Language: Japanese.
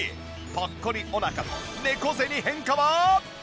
ぽっこりお腹と猫背に変化は？